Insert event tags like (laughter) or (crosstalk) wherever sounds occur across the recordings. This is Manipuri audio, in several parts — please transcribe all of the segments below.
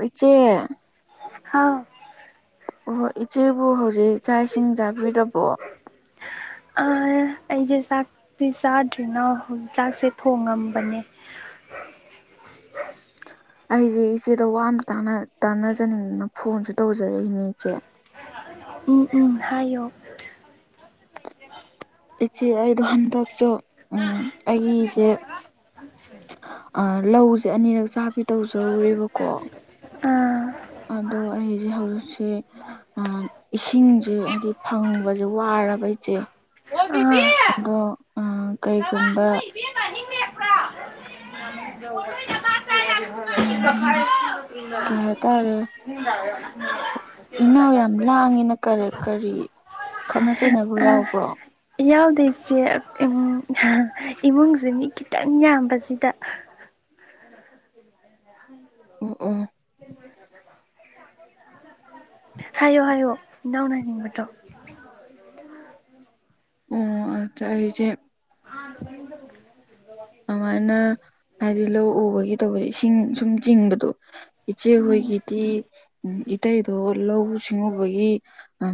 ꯎ ꯏꯆꯦ ꯍꯥꯎ ꯑꯣ ꯏꯆꯦꯕꯨ ꯍꯧꯖꯤꯛ ꯆꯥꯛ ꯏꯁꯤꯡ ꯆꯥꯕꯤꯔꯕꯣ ꯑ ꯑꯩꯁꯦ ꯆꯥꯛꯇꯤ ꯆꯥꯗ꯭ꯔꯤꯅ ꯆꯥꯛꯁꯦ ꯊꯣꯡꯉꯝꯕꯅꯦ ꯑꯩꯁꯦ ꯏꯆꯦꯗ ꯋꯥꯗ ꯇꯥꯟꯅꯖꯅꯤꯡꯗꯅ ꯐꯣꯟꯁꯨ ꯇꯧꯖꯔꯛꯏꯅꯤ ꯎꯝ ꯎꯝ ꯍꯥꯏꯌꯨ ꯏꯆꯦ ꯑꯩꯗꯣ ꯍꯟꯗꯛꯁꯨ ꯎꯝ ꯑꯩꯒꯤꯁꯦ ꯂꯧꯁꯦ ꯑꯅꯤꯔꯛ ꯆꯥꯕꯤ ꯇꯧꯖꯧꯦꯔꯤꯕꯀꯣ ꯑꯥ ꯑꯗꯣ ꯑꯩꯁꯦ ꯍꯧꯖꯤꯛꯁꯦ ꯏꯁꯤꯡꯁꯦ ꯍꯥꯏꯗꯤ ꯐꯪꯕꯁꯦ ꯋꯥꯔꯕ ꯏꯆꯦ ꯑꯥ ꯑꯗꯣ ꯀꯩꯒꯨꯝꯕ ꯎꯝ ꯀ ꯇꯔꯦ (unintelligible) ꯏꯅꯥꯎ ꯌꯥꯝ ꯂꯥꯡꯉꯤꯅ ꯀꯔ ꯀꯔꯤ ꯈꯠꯅ ꯆꯩꯅꯕ ꯌꯥꯎꯕ꯭ꯔꯣ ꯌꯥꯎꯗꯣꯏꯁꯦ ꯍꯥ ꯏ ꯏꯃꯨꯡꯁꯦ ꯃꯤ ꯈꯤꯇꯪ ꯌꯥꯝꯕꯁꯤꯗ ꯑꯣ ꯑꯣ ꯍꯥꯏꯌꯨ ꯍꯥꯏꯌꯨ ꯏꯅꯥꯎꯅ ꯍꯥꯏꯅꯤꯡꯕꯗꯣ ꯑꯣ ꯑꯗ ꯑꯩꯁꯦ ꯑ ꯑꯗꯨ ꯑꯗꯨꯃꯥꯏꯅ ꯍꯥꯏꯗꯤ ꯂꯧ ꯎꯕꯒꯤ ꯇꯧꯕꯁ ꯏꯁꯤꯡ ꯁꯨꯝ ꯆꯤꯡꯕꯗꯣ ꯎꯝ ꯏꯆꯦꯍꯣꯏꯒꯤꯗꯤ ꯏꯇꯩꯗꯣ ꯂꯧꯎ ꯁꯤꯡꯎꯕꯒꯤ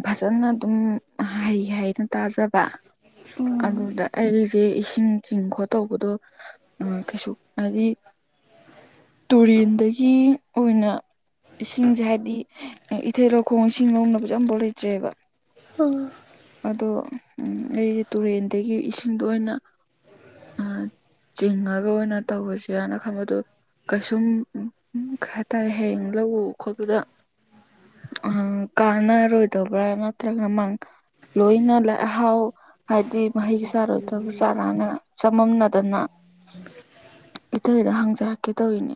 ꯐꯖꯅ ꯑꯗꯨꯝ ꯍꯩ ꯍꯥꯏ ꯑꯗꯨꯝ ꯇꯥꯖꯕ ꯎꯝ ꯑꯗꯨꯗ ꯑꯩꯁꯦ ꯏꯁꯤꯡ ꯆꯤꯡ ꯈꯣꯠꯇꯧꯕꯗꯣ ꯑ ꯀꯩꯁꯨ ꯍꯥꯏꯗꯤ ꯇꯨꯔꯦꯟꯗꯒꯤ ꯑꯣꯏꯅ ꯏꯁꯤꯡꯁꯦ ꯍꯥꯏꯗꯤ ꯏꯊꯩ ꯂꯧꯈꯣꯡ ꯏꯁꯤꯡ ꯂꯧꯅꯕꯁꯨ ꯑꯐꯥꯎ ꯂꯩꯇ꯭ꯔꯦꯕ ꯑꯝ ꯑꯗꯣ ꯑꯩꯁꯦ ꯇꯨꯔꯦꯟꯗꯒꯤ ꯏꯁꯤꯡꯗꯣ ꯑꯣꯏꯅ ꯆꯤꯡꯉꯒ ꯑꯣꯏꯅ ꯇꯧꯔꯁ ꯍꯥꯏꯅ ꯈꯟꯕꯗꯣ ꯀꯩꯁꯨꯝ ꯀꯩ ꯍꯥꯏꯇꯥꯔꯦ ꯍꯌꯦꯡ ꯂꯧꯎꯕ ꯈꯣꯠꯄꯗ ꯑ ꯀꯥꯟꯅ ꯔꫭꯏꯗꯕ꯭ꯔꯥ ꯅꯠꯇ꯭ꯔꯒ ꯃꯥꯡꯊꫭꯛ ꯂꯣꯏꯅ ꯂꯥꯏ ꯑꯍꯥꯎ ꯍꯥꯏꯗꯤ ꯃꯍꯩ ꯆꯥꯔꯣꯏꯗꯕ ꯆꯥꯔꯥꯅ ꯆꯃꯝꯅꯗꯅ ꯏꯇꯩꯗ ꯍꯪꯖꯔꯛꯀꯦ ꯇꯧꯅꯦ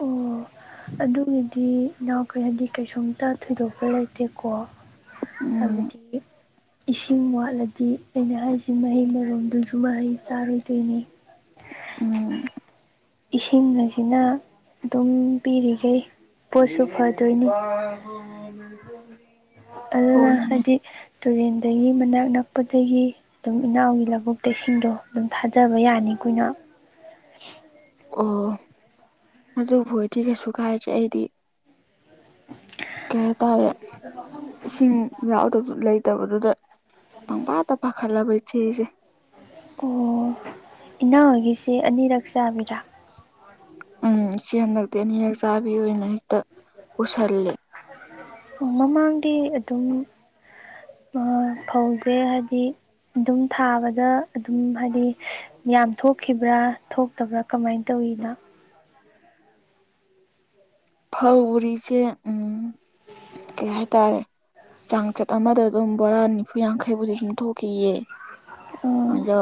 ꯑꯣ ꯑꯗꯨꯒꯤꯗꯤ ꯏꯅꯥꯎꯈꯩ ꯍꯥꯏꯗꯤ ꯀꯩꯁꯨꯝꯇ ꯊꯣꯏꯗꯣꯛꯄ ꯂꯩꯇꯦꯀꯣ ꯎꯝ ꯍꯥꯏꯕꯗꯤ ꯏꯁꯤꯡ ꯋꯥꯠꯂꯗꯤ ꯑꯩꯅ ꯍꯥꯏꯁꯤ ꯃꯍꯩ ꯃꯔꯣꯡꯗꯨꯁꯨ ꯃꯍꯩ ꯆꯥꯔꯣꯏꯗꯣꯏꯅꯤ ꯎꯝ ꯏꯁꯤꯡ ꯑꯁꯤꯅ ꯑꯗꯨꯝ ꯄꯤꯔꯤꯈꯩ ꯄꯣꯠꯁꯨ ꯐꯗꯣꯏꯅꯤ ꯑꯗꯨꯅ ꯍꯣꯏꯅꯦ ꯍꯥꯏꯗꯤ ꯇꯨꯔꯦꯟꯗꯒꯤ ꯃꯅꯥꯛ ꯅꯛꯄꯗꯒꯤ ꯑꯗꯨꯝ ꯏꯅꯥꯎꯒꯤ ꯂꯧꯕꯨꯛꯇ ꯏꯁꯤꯡꯗꯣ ꯑꯗꯨꯝ ꯊꯥꯖꯕ ꯌꯥꯅꯤ ꯑꯩꯈꯣꯏꯅ ꯑꯣ ꯑꯗꯨꯕꯨ ꯑꫭꯏꯗꯤ ꯀꯩꯁꯨ ꯀꯥꯏꯗ꯭ꯔꯦ ꯑꯩꯗꯤ ꯀꯩ ꯍꯥꯏꯇꯥꯔꯦ ꯏꯁꯤꯡ ꯌꯥꯎꯗꯕꯁꯨ ꯂꯩꯇꯕꯗꯨꯗ ꯄꯪꯄꯥꯇ ꯄꯥꯈꯠꯂꯕ ꯏꯆꯦꯁꯦ ꯑꯣ ꯏꯅꯥꯎꯒꯤꯁꯦ ꯑꯅꯤꯔꯛ ꯆꯥꯕꯤꯔꯥ ꯎꯝ ꯏꯆꯦ ꯍꯟꯗꯛꯇꯤ ꯑꯅꯤꯍꯦꯛ ꯆꯥꯕꯤ ꯑꯣꯏꯅ ꯍꯦꯛꯇ ꯎꯁꯜꯂꯤ ꯑꯣ ꯃꯃꯥꯡꯗꯤ ꯑꯗꯨꯝ ꯐꯧꯁꯦ ꯍꯥꯏꯗꯤ ꯑꯗꯨꯝ ꯊꯥꯕꯗ ꯑꯗꯨꯝ ꯍꯥꯏꯗꯤ ꯌꯥꯝ ꯊꯣꯛꯈꯤꯕ꯭ꯔꯥ ꯊꯣꯛꯇꯕ꯭ꯔꯥ ꯀꯃꯥꯏꯅ ꯇꯧꯋꯅ ꯐꯧ ꯎꯔꯤꯁꯦ ꯎꯝ ꯀꯩ ꯍꯥꯏꯇꯥꯔꯦ ꯆꯥꯡꯆꯠ ꯑꯃꯗ ꯑꯗꯨꯝ ꯕꯣꯔꯥ ꯅꯤꯐꯨ ꯌꯥꯡꯈꯩꯕꯨꯗꯤ ꯑꯗꯨꯝ ꯊꯣꯛꯈꯤꯑ ꯑꯗꯨꯗ ꯎꯝ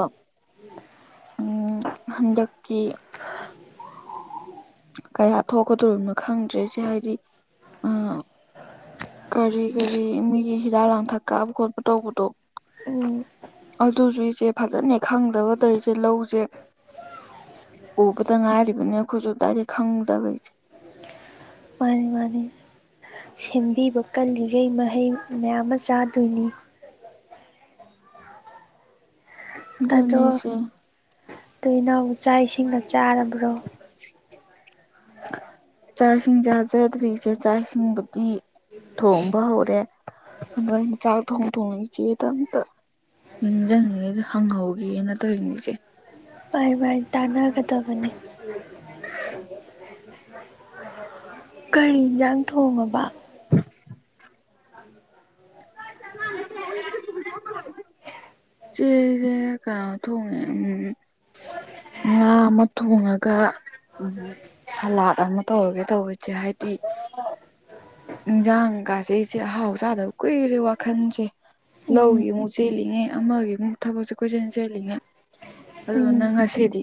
ꯎꯝ ꯍꯗꯀꯤ ꯀꯌꯥ ꯊꯣꯛꯀꯗꯣꯔꯤꯕꯅꯣ ꯈꯪꯗ꯭ꯔꯦ ꯁꯤ ꯍꯥꯏꯗꯤ ꯑ ꯀꯔꯤ ꯀꯔꯤ ꯃꯤꯒꯤ ꯍꯤꯗꯥꯛ ꯂꯥꯡꯊꯛ ꯀꯥꯕ ꯈꯣꯠꯄ ꯇꯣꯛ ꯄꯨꯇꯣꯛ ꯑꯗꯨꯁꯨ ꯏꯆꯦ ꯐꯖꯅ ꯈꯪꯗꯕꯗꯧ ꯏꯆꯦ ꯂꯧꯁꯦ ꯎꯕꯗ ꯉꯥꯏꯔꯤꯕꯅꯤ ꯑꯩꯈꯣꯏꯁꯨ ꯗꯥꯏꯗꯤ ꯈꯪꯗꯕꯩꯁꯦ ꯉꯅ ꯁꯦꯝꯕꯤꯕ ꯀꯜꯂꯤꯈꯩ ꯃꯍꯩ ꯃꯌꯥꯝ ꯑꯃ ꯆꯥꯗꯣꯏꯅꯤ ꯑꯗꯨꯅꯦ ꯑꯗꯣ ꯏꯆꯦ ꯇꯣꯏ ꯏꯅꯥꯎ ꯆꯥꯛ ꯏꯁꯤꯡꯅ ꯆꯥꯔꯕ꯭ꯔꯣ ꯆꯥꯛ ꯏꯁꯤꯡꯁꯦꯖꯗ꯭ꯔꯤꯁꯦ ꯆꯥꯛ ꯏꯁꯤꯡꯕꯒꯤ ꯊꯣꯡꯕ ꯍꯧꯔꯦ ꯑꯗꯨꯃ ꯑꯥꯏꯩꯅ ꯆꯥꯛ ꯊꯣꯡ ꯊꯣꯡꯉꯒꯤ ꯆꯦꯗ ꯑꯝꯇ ꯅꯤꯡꯁꯤꯡꯉꯦꯗ ꯍꯪ ꯍꯧꯒꯦꯅ ꯇꯧꯔꯤꯅꯤꯆꯦ ꯄꯥꯏꯚꯥꯏ ꯇꯥꯟꯅꯒꯗ ꯃꯅꯤ ꯀꯔꯤ ꯌꯦꯟꯖꯥꯡ ꯊꯣꯡꯉꯕ (inaudible) ꯆꯦꯁꯦ ꯀꯅꯥ ꯊꯣꯡꯉꯦ ꯎꯝ ꯉꯥ ꯑꯃ ꯊꯣꯡꯉꯒ ꯎ ꯁꯂꯥꯠ ꯑꯃ ꯇꯧꯔꯒꯦ ꯇꯧꯕꯁꯦ ꯍꯥꯏꯗꯤ ꯏꯟꯖꯥꯡ ꯀꯥꯁꯦꯁꯦ ꯑꯍꯥꯎ ꯆꯥꯗꯕ ꯀꯨꯏꯔꯦ ꯋꯥꯈꯟꯁꯦ ꯎꯝ ꯂꯧꯒꯤ ꯑꯃꯨꯛ ꯆꯦꯜꯂꯤꯉꯦ ꯑꯃꯒꯤ ꯑꯃꯨꯛ ꯊꯕꯛꯁꯦ ꯀꯣꯏꯁꯤꯟ ꯆꯜꯂꯤꯉꯦ ꯑꯗꯨ ꯎꯝ ꯅꯪ ꯉꯁꯤꯗꯤ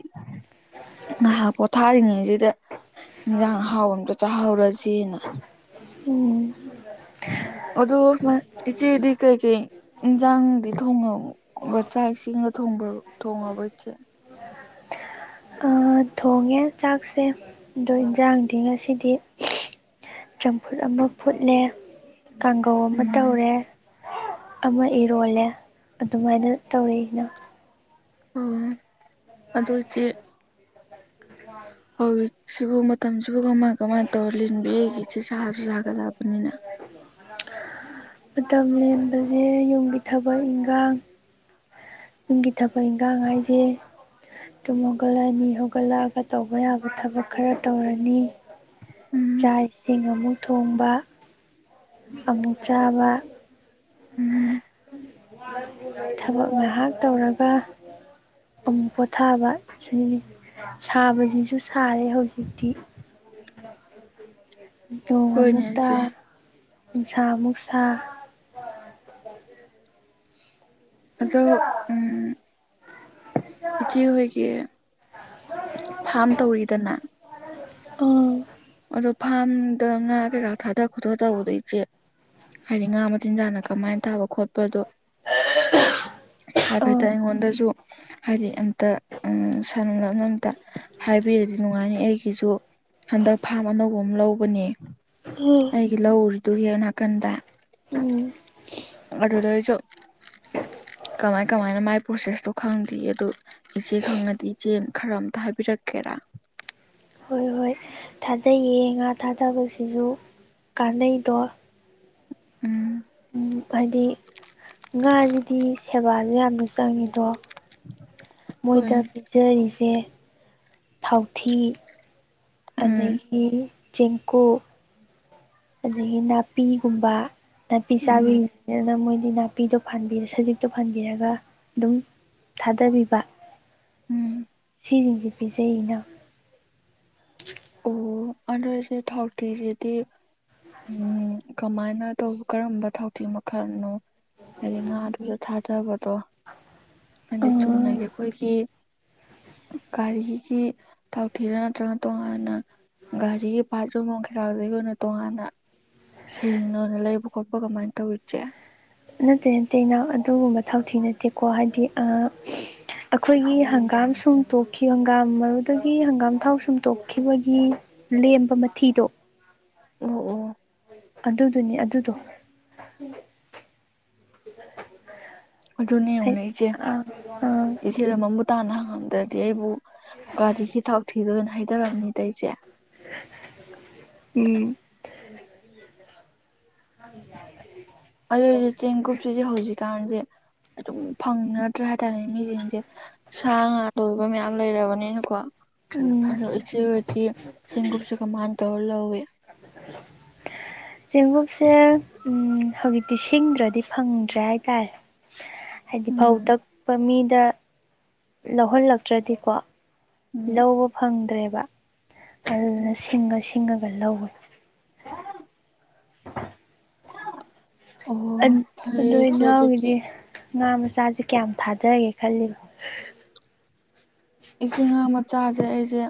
ꯉꯥꯏꯍꯥꯛ ꯄꯣꯊꯥꯔꯤꯉꯩꯁꯤꯗ ꯏꯟꯁꯥꯡ ꯑꯍꯥꯎ ꯑꯝꯇ ꯆꯥꯍꯧꯔꯁꯤꯅ ꯎꯝ ꯑꯣ ꯏꯆꯦꯗꯤ ꯀꯩꯀꯩ ꯏꯟꯁꯥꯡꯗꯤ ꯊꯣꯡꯉ ꯃꯕ ꯆꯥꯛ ꯏꯁꯤꯡꯒ ꯊꯣꯡꯕ ꯊꯣꯡꯉꯕ ꯏꯆꯦ ꯑꯥ ꯊꯣꯡꯉꯦ ꯆꯥꯛꯁꯦ ꯑꯗꯣ ꯏꯟꯁꯥꯡꯗꯤ ꯉꯁꯤꯗꯤ ꯆꯝꯐꯨꯠ ꯑꯃ ꯐꯨꯠꯂꯦ ꯀꯥꯡꯒꯧ ꯑꯃ ꯎꯝ ꯇꯧꯔꯦ ꯑꯃ ꯏꯔꯣꯜꯂꯦ ꯑꯗꯨꯃꯥꯏꯅ ꯇꯧꯔꯛꯏꯅ ꯑꯣ ꯑꯗꯨꯁꯦ (inaudible) ꯍꯧꯖꯤꯛꯁꯤꯕꯨ ꯃꯇꯝꯁꯤꯕꯨ ꯀꯃꯥꯏ ꯀꯃꯥꯏꯅ ꯇꯧꯔ ꯂꯤꯟꯕ ꯑꯩꯒꯤꯁꯤ ꯁꯥꯁꯨ ꯁꯥꯒꯠꯂꯛꯑꯕꯅꯤꯅ ꯃꯇꯝ ꯂꯦꯟꯕꯁꯦ ꯌꯨꯝꯒꯤ ꯊꯕꯛ ꯏꯟꯈꯥꯡ ꯌꯨꯡꯒꯤ ꯊꯕꯛ ꯏꯟꯈꯥꯡ ꯍꯥꯏꯁꯦ (inaudible) ꯑꯗꯨꯨꯝ ꯍꯧꯒꯠꯂꯛꯅꯤ ꯍꯧꯒꯠꯂꯛꯑꯒ ꯇꯧꯕ ꯌꯥꯕ ꯊꯕꯛ ꯈꯔ ꯇꯧꯔꯅꯤ ꯎꯝ ꯆꯥꯛ ꯏꯁꯤꯡ ꯑꯃꯨꯛ ꯊꯣꯡꯕ ꯑꯃꯨꯛ ꯆꯥꯕ ꯎꯝ (unintelligible) (inaudible) ꯊꯕꯛ ꯉꯥꯏꯍꯥꯛ ꯇꯧꯔꯒ ꯑꯃꯨꯛ ꯄꯣꯊꯥꯕ ꯁꯤꯅꯤ ꯁꯥꯕꯁꯤꯁꯨ ꯁꯥꯔꯦ ꯍꯧꯖꯤꯛꯇꯤ ꯅꯣꯡ ꯍꯣꯏꯅꯦ ꯑꯃꯨꯛꯇ ꯏꯆꯦ ꯎꯟꯁꯥ ꯑꯃꯨꯛ ꯁꯥ ꯑꯗꯣ ꯎꯝ ꯏꯆꯦꯍꯣꯏꯒꯤ ꯐꯥꯔꯝ ꯇꯧꯔꯤꯗꯅ ꯑꯣ (unintelligible) (inaudible) ꯑꯗꯣ ꯐꯥꯔꯝꯗ ꯉꯥ ꯀꯩꯀꯥ ꯊꯥꯗ ꯈꯣꯠꯇ ꯇꯧꯗꯣꯏꯁꯦ ꯍꯥꯏꯗꯤ ꯉꯥ ꯃꯆꯤꯟꯖꯥꯛꯅ ꯀꯃꯥꯏꯅ ꯇꯥꯕ ꯈꯣꯠꯄꯗꯣ ꯍ (unintelligible) (inaudible) ꯍꯥꯏꯐꯦꯠꯇ ꯑꯩꯉꯣꯟꯗꯁꯨ ꯍꯥꯏꯗꯤ ꯑꯝꯇ ꯁꯥꯟꯅꯕꯝ ꯂꯞꯅ ꯑꯝꯇ ꯍꯥꯏꯕꯤꯔꯗꯤ ꯅꯨꯡꯉꯥꯏꯅꯤ ꯑꯩꯒꯤꯁꯨ ꯍꯟꯗꯛ ꯐꯥꯝ ꯑꯅꯧꯕ ꯑꯃ ꯂꯧꯕꯅꯦ ꯍ (unintelligible) (inaudible) ꯑꯩꯒꯤ ꯂꯧ ꯎꯔꯤꯗꯨꯒꯤ ꯅꯥꯀꯟꯗ ꯎꯝ (unintelligible) (inaudible) ꯑꯗꯨꯗꯩ ꯑꯩꯁꯨ ꯀꯃꯥꯏ ꯀꯃꯥꯏꯅ ꯃꯥꯏ ꯄ꯭ꯔꯣꯁꯦꯁꯇꯣ ꯈꯪꯗꯦ ꯑꯗꯨ ꯏꯆꯦ ꯈꯪꯉꯗꯤ ꯏꯆꯦ ꯈꯔ ꯑꯝꯇ ꯍꯥꯏꯕꯤꯔꯛꯀꯦꯔꯥ ꯍꯣꯏ ꯍꯣꯏ ꯊꯥꯗꯩꯌꯦ ꯉꯥ ꯊꯥꯗꯕꯁꯤꯁꯨ ꯀꯥꯟꯅꯩꯗꯣ ꯎꯝ (inaudible) (unintelligible) ꯍꯥꯏꯗꯤ ꯉꯥꯁꯤꯗꯤ ꯁꯦꯕꯥꯁꯨ ꯌꯥꯝꯅ ꯆꯪꯉꯤꯗꯣ ꯍꯣꯏ ꯃꯣꯏꯗ ꯄꯤꯖꯔꯤꯁꯦ ꯊꯥꯎꯊꯤ ꯎꯝ ꯑꯗꯒꯤ ꯆꯤꯡꯀꯨ ꯑꯗꯒꯤ ꯅꯥꯄꯤꯒꯨꯝꯕ ꯅꯥꯄꯤ ꯆꯥꯕꯤ ꯎꯝ ꯑꯗꯨꯅ ꯃꯣꯏꯗꯤ ꯅꯥꯄꯤꯗꯣ ꯐꯕꯤꯔ ꯁꯖꯤꯛꯇꯣ ꯐꯟꯕꯤꯔꯒ ꯑꯗꯨꯝ ꯊꯥꯗꯕꯤꯕ ꯎꯝ (unintelligible) (inaudible) ꯁꯤꯁꯤꯡꯁꯤ ꯄꯤꯖ ꯑꯩꯅ ꯎ (inaudible) (unintelligible) ꯑꯣ ꯑꯗꯨꯗꯁ ꯊꯥꯎꯇꯤꯁꯤꯗꯤ ꯎ ꯀꯃꯥꯏꯅ ꯇꯧꯕ ꯀꯔꯝꯕ ꯊꯥꯎꯊꯤ ꯃꯈꯜꯅꯣ ꯍꯥꯏꯗꯤ ꯉꯥꯗꯨꯗ ꯊꯥꯗꯕꯗꯣ ꯑꯗꯤ ꯆꯨꯝꯅꯒꯤ ꯑꯩꯈꯣꯏꯒꯤ ꯒꯥꯔꯤꯒꯤ ꯊꯧꯊꯤꯔ ꯅꯠꯇ꯭ꯔꯒꯅ ꯇꯣꯉꯥꯟꯅ ꯒꯥꯔꯤꯒꯤ ꯄꯥꯔꯠ ꯃꯈ ꯍꯔꯥꯎꯗꯒꯤ ꯑꯣꯏꯅ ꯇꯣꯉꯥꯟꯅ ꯁꯦꯡꯅ ꯑꯣꯏꯅ ꯂꯩꯕ ꯈꯣꯠꯄ ꯀꯃꯥꯏꯅ ꯇꯧꯋꯁꯦ ꯅꯠꯇꯦ ꯅꯠꯇꯦ ꯏꯅꯥꯎ ꯑꯗꯨꯒꯨꯝꯕ ꯊꯥꯎꯊꯤ ꯅꯠꯇꯦꯀꯣ ꯍꯥꯏꯗꯤ ꯑꯥ ꯑꯈꯣꯏꯒꯤ ꯍꯪꯒꯥꯝ ꯁꯨꯝꯊꯣꯛꯈꯤꯕ ꯍꯪꯒꯥꯝ ꯃꯔꯨꯗꯒꯤ ꯍꯪꯒꯥꯝ ꯊꯥꯎ ꯁꯨꯝꯊꯣꯛꯈꯤꯕꯒꯤ ꯑꯂꯦꯝꯕ ꯃꯊꯤꯗꯣ ꯑꯣ ꯑꯣ ꯑꯗꯨꯗꯨꯅꯤ ꯑꯗꯨꯗꯣ ꯑꯗꯨꯅꯦ ꯌꯦꯡꯉꯨꯅꯦ ꯏꯆꯦ ꯏꯆꯦꯗ ꯃꯃꯨꯠ ꯇꯥꯅ ꯍꯪꯉꯝꯗ꯭ꯔꯗꯤ ꯑꯩꯕꯨ ꯒꯥꯔꯤꯒꯤ ꯊꯧꯊꯤꯗꯣꯏꯅ ꯍꯥꯏꯊꯔꯝꯅꯤꯗ ꯑꯩꯁꯦ ꯎꯝ (inaudible) (inaudible) ꯑꯗꯨꯗꯤ ꯆꯦꯡꯀꯨꯞꯁꯤꯗꯤ ꯍꯧꯖꯤꯛꯀꯥꯟꯁꯦ ꯑꯗꯨꯝ ꯐꯪꯅꯗ꯭ꯔꯦ ꯍꯥꯏꯇꯥꯔꯦ ꯃꯤꯁꯤꯡꯁꯦ ꯁꯥ ꯉꯥ ꯂꯣꯏꯕ ꯃꯌꯥꯝ ꯂꯩꯔꯕꯅꯤꯅꯀꯣ ꯎꯝ ꯑꯗꯨ ꯏꯆꯦꯈꯣꯏꯁꯤ ꯆꯦꯡꯒꯨꯞꯁ ꯀꯃꯥꯏ ꯇꯧꯔꯤꯒꯦ ꯍꯧꯖꯤꯛ ꯆꯦꯡꯒꯨꯞꯁꯦ ꯍꯧꯖꯤꯛꯇꯤ ꯁꯤꯡꯗ꯭ꯔꯗꯤ ꯐꯪꯗ꯭ꯔꯦ ꯍꯥꯏꯇꯥꯔꯦ ꯍꯥꯏꯗꯤ ꯐꯧ ꯎꯝ ꯇꯛꯄ ꯃꯤꯗ ꯂꯧꯍꯜꯂꯛꯇ꯭ꯔꯗꯤꯀꯣ ꯎꯝ ꯂꯧꯕ ꯐꯪꯗ꯭ꯔꯦꯕ ꯑꯗꯨꯅ ꯁꯤꯡꯉ ꯁꯤꯡꯉꯒ ꯂꯧꯋꯦ (unintelligible) (inaudible) ꯑꯣ ꯑꯗꯨ ꯐꯩ ꯏꯆꯦ ꯑꯗꯨꯗꯤ ꯏꯅꯥꯎꯒꯤꯗꯤ ꯉꯥ ꯃꯆꯥꯁꯦ ꯀꯌꯥꯝ ꯊꯥꯗꯒꯦ ꯈꯜꯂꯤꯕ ꯏꯆꯦ ꯉꯥ ꯃꯆꯥꯁꯦ ꯑꯩꯁꯦ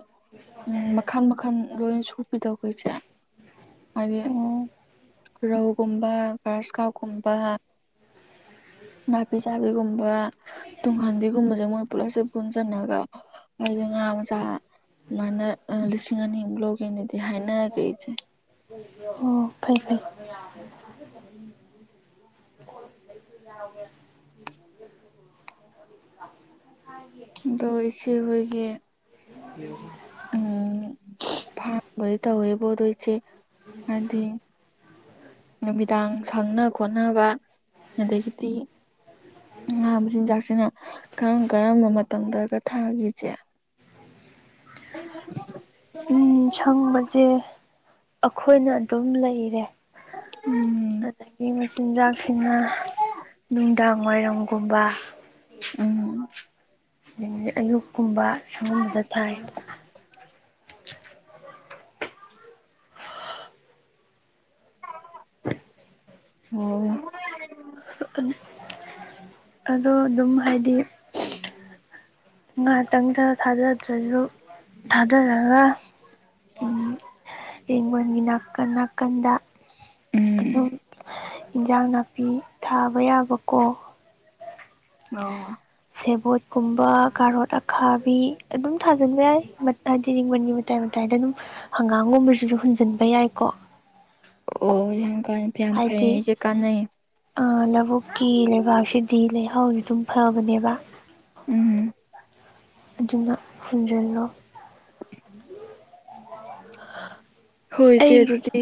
ꯎꯝ ꯃꯈꯜ ꯃꯈꯜ ꯂꯣꯏ ꯁꯨꯄꯤꯗꯣ (unintelligible) ꯏꯆꯦ ꯍꯥꯏꯗꯤ ꯎꯝ ꯔꯧꯒꯨꯝꯕ ꯒ꯭ꯔꯥꯁ ꯀꯞꯒꯨꯝꯕ ꯅꯥꯄꯤ ꯆꯥꯕꯤꯒꯨꯝꯕ ꯇꯨꯡꯍꯟꯕꯤꯒꯨꯝꯕꯁꯦ ꯃꯣꯏ ꯄꯨꯂꯞꯁꯦ ꯄꯨꯟꯁꯤꯟꯅꯒ ꯍꯥꯏꯗꯤ ꯉꯥ ꯃꯆꯥ ꯑꯗꯨꯃꯥꯏꯅ ꯂꯤꯁꯤꯡ ꯑꯅꯤꯃꯨꯛ ꯂꯧꯒꯦꯅꯗꯤ ꯍꯥꯏꯅꯈ꯭ꯔꯦ ꯏꯆꯦ ꯍꯣ ꯐꯩ ꯐꯩ (inaudible) (inaudible) ꯑꯗꯣ ꯏꯆꯦꯍꯣꯏꯒꯤ (inaudible) ꯎꯝ ꯐꯥꯝꯒꯗꯤ ꯇꯧꯔꯤꯕ꯭ꯔꯣ ꯑꯗꯨ ꯏꯆꯦ (inaudible) (unintelligible) ꯅꯨꯃꯤꯗꯥꯡ ꯁꯪꯅ ꯈꯣꯠꯅꯕ ꯑꯗꯒꯤꯗꯤ ꯉꯥ ꯃꯆꯤꯟꯖꯥꯛꯁꯤꯅ ꯀꯔꯝ ꯀꯔꯝꯕ ꯃꯇꯝꯗꯒ ꯊꯥꯒꯦ ꯏꯆꯦ (inaudible) ꯎꯝ ꯁꯪꯕꯁꯦ ꯑꯈꯣꯏꯅ ꯑꯗꯨꯝ ꯂꯩꯔꯦ ꯎꯝ ꯑꯗꯒꯤ ꯃꯆꯤꯟꯖꯥꯛꯁꯤꯅ ꯅꯨꯡꯗꯥꯡ ꯋꯥꯏꯔꯝꯒꯨꯝꯕ ꯎꯝ ꯑꯗꯒꯤꯗꯤ ꯑꯌꯨꯛꯀꯨꯝꯕ ꯁꯪꯒꯨꯝꯕꯗ ꯊꯥꯏ ꯑꯣ (unintelligible) ꯑꯗꯣ ꯑꯗꯨꯝ ꯍꯥꯏꯗꯤ ꯉꯍꯥꯛꯇꯪꯗ ꯊꯥꯗ꯭ꯔ ꯗ꯭ꯔꯁꯨ ꯊꯗꯌꯥꯒ ꯎꯝ ꯍꯤꯡꯒꯣꯟꯒꯤ ꯅꯥꯀꯟ ꯅꯥꯀꯟꯗ ꯎꯝ ꯑꯗꯨꯝ ꯏꯟꯖꯥꯡ ꯅꯥꯄꯤ ꯊꯥꯕ ꯌꯥꯕꯀꯣ ꯑꯣ ꯁꯦꯕꯣꯠꯀꯨꯝꯕ ꯀꯥꯔꯣꯠ ꯑꯈꯥꯕꯤ ꯑꯗꯨꯝ ꯊꯥꯖꯤꯟꯕ ꯌꯥꯏ ꯃꯠ ꯍꯥꯏ (unintelligible) ꯃꯇꯥꯏ ꯃꯇꯥꯏꯗ ꯑꯗꯨꯝ ꯍꯪꯒꯥꯝꯒꯨꯝꯕꯁꯤꯁꯨ ꯍꯨꯟꯖꯤꯟꯕ ꯌꯥꯏꯀꯣ ꯑꯣ ꯌꯥꯝ (unintelligible) ꯌꯥꯝ ꯐꯩ ꯏꯆꯦ ꯀꯥꯟꯅꯩ ꯑꯥ ꯂꯧꯕꯨꯛꯀꯤ ꯂꯩꯕꯥꯛꯁꯤꯗꯤ ꯂꯩꯍꯥꯎꯗꯤ ꯑꯗꯨꯝ ꯐꯕꯅꯦꯕ ꯎꯝ ꯑꯗꯨꯅ ꯍꯨꯖꯤꯜꯂꯣ ꯍꯣꯏ ꯏꯆꯦ ꯑꯩ ꯑꯗꯨꯗꯤ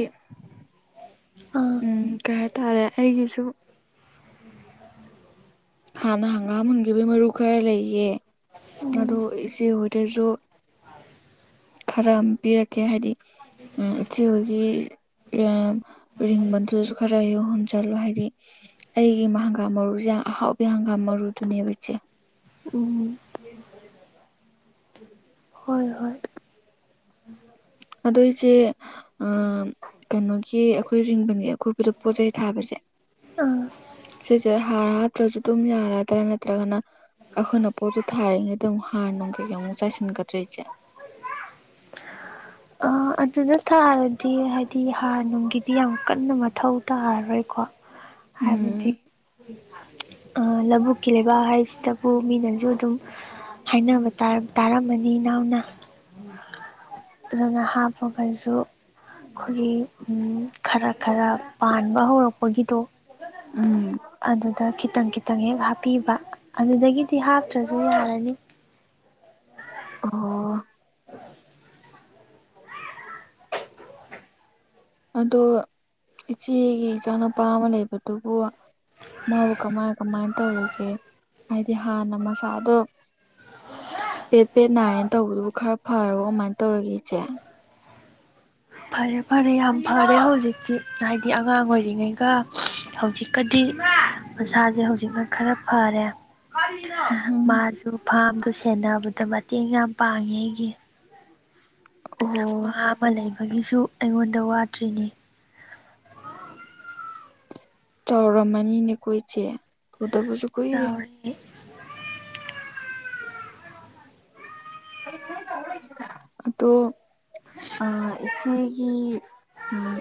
ꯑꯥ ꯎꯝ ꯀꯩ ꯍꯥꯏꯇꯥꯔꯦ ꯑꯩꯒꯤꯁꯨ ꯍꯥꯟꯅ ꯍꯪꯒꯥꯝ ꯍꯨꯟꯈꯤꯕꯩ ꯃꯔꯨ ꯈꯔ ꯂꯩꯌꯦ ꯑ ꯎꯝ ꯏꯆꯦꯍꯣꯏꯗꯁꯨ ꯈꯔ ꯑꯃ ꯄꯤꯔꯛꯀꯦ ꯍꯥꯏꯗꯤ ꯑ ꯏꯆꯤ ꯍꯧꯒ ꯑ ꯔꯤꯡꯕꯗꯨꯁꯨ ꯈꯔ ꯍꯎꯧꯍꯟ ꯆꯠꯂꯨ ꯍꯥꯏꯗꯤ ꯑꯩꯒꯤ ꯍꯪꯒꯥꯝ ꯃꯔꯨꯁꯦ ꯌꯥꯝ ꯑꯍꯥꯎꯕ ꯍꯪꯒꯥꯝ ꯃꯔꯨꯗꯨꯅꯦꯕ ꯏꯠꯆꯦ ꯎꯝ ꯍꯣꯏ ꯍꯣꯏ ꯑꯗꯨꯗꯏꯁꯦ ꯑ ꯀꯩꯅꯣꯒꯤ ꯑꯩꯈꯣꯏ ꯔꯤꯡꯕꯒꯤ ꯑꯀꯣꯏꯕꯗ ꯄꯣꯠꯆꯩ ꯊꯥꯕꯁꯦ ꯑꯝ ꯁꯤꯁꯦ ꯍꯥꯔ ꯍꯥꯠꯇ꯭ꯔꯁꯨ ꯑꯗꯨꯝ ꯌꯥꯔꯗ꯭ꯔꯥ ꯅꯠꯇ꯭ꯔꯒꯅ ꯑꯩꯈꯣꯏꯅ ꯄꯣꯠꯇꯨ ꯊꯥꯔꯤꯉꯩꯗꯨꯛ ꯍꯥꯔ ꯅꯨꯡ ꯀꯩꯀꯩꯃꯨꯛ ꯆꯥꯏꯁꯤꯟꯒꯗ꯭ꯔꯔꯤ ꯏꯆꯦ ꯑꯗꯨꯗ ꯊꯥꯔꯗꯤ ꯍꯥꯏꯗꯤ ꯍꯥꯥꯟꯔ ꯅꯨꯡꯒꯤꯗꯤ ꯌꯥꯝ ꯀꯟꯅ ꯃꯊꯧ ꯇꯥꯔꯔꯣꯏꯀꯣ ꯍꯥꯏꯕꯨꯗꯤ ꯎꯝ ꯂꯧꯕꯨꯛꯀꯤ ꯂꯩꯕꯥꯛ ꯍꯥꯏꯁꯤꯗꯕꯨ ꯃꯤꯅꯁꯨ ꯑꯗꯨꯝ ꯍꯥꯏꯅꯕ ꯇꯥꯔꯝꯃꯅꯤ ꯏꯅꯥꯎꯅ ꯑꯗꯨꯅꯞ ꯑꯩꯈꯁꯨ ꯑꯩꯈꯣꯏꯒꯤ ꯈꯔ ꯈꯔ ꯄꯥꯟꯕ ꯍꯧꯔꯛꯄꯒꯤꯗꯣ ꯎꯝ ꯑꯗꯨ ꯑ ꯈꯤꯇꯪ ꯈꯤꯇꯪ ꯍꯦꯛ ꯍꯥꯞꯄꯤꯕ ꯑꯗꯨꯗꯒꯤꯗꯤ ꯍꯥꯞꯇ꯭ꯔꯁꯨ ꯌꯥꯔꯅꯤ ꯑꯣ (unintelligible) ꯑꯗꯣ ꯏꯆꯦꯒꯤ ꯏꯆꯥ ꯅꯨꯄꯥ ꯑꯃ ꯂꯩꯕꯗꯨꯕꯨ ꯃꯥꯕꯨ ꯀꯃꯥꯏ ꯀꯃꯥꯏ ꯇꯧꯔꯒꯦ ꯍꯥꯏꯗꯤ ꯍꯥꯟꯅ ꯃꯆꯥꯥꯗꯣ ꯄꯦꯠ ꯄꯦꯠ ꯅꯥꯏꯌꯦꯅ ꯇꯧꯕꯗꯨꯕꯨ ꯈꯔ ꯐꯔꯣ ꯀꯃꯥꯏꯅ ꯇꯧꯔꯒꯦ ꯏꯆꯦ ꯐꯔꯦ ꯐꯔꯦ ꯌꯥꯝ ꯐꯔꯦ ꯍꯧꯖꯤꯛꯇꯤ ꯍꯥꯏꯗꯤ ꯑꯉꯥꯡ ꯑꯣꯏꯔꯤꯉꯩꯒ ꯍꯧꯖꯤꯛꯀꯗꯤ ꯃꯁꯥꯁꯦ ꯍꯧꯖꯤꯛꯃꯛ ꯈꯔ ꯐꯔꯦ ꯎꯝ ꯃꯥꯁꯨ ꯐꯥꯝꯗꯨ ꯁꯦꯟꯅꯕꯗ ꯃꯇꯦꯡ ꯌꯥꯝ ꯄꯥꯡꯉꯦ ꯑꯩꯒꯤ ꯑꯣꯍꯣ ꯃꯍꯥꯛꯥ ꯑꯃ ꯂꯩꯕꯒꯤꯁꯨ ꯑꯩꯉꯣꯟꯗ ꯋꯥꯠꯇ꯭ꯔꯤꯅꯤ ꯆꯥꯎꯧꯔꯝꯃꯅꯤꯅꯦ ꯀꯣꯏ ꯏꯆꯦ ꯑꯗꯨꯗꯕꯨꯁꯨ ꯆꯥꯎꯔ ꯑꯗꯨꯣ ꯑ ꯏꯆꯦꯒꯤ ꯑ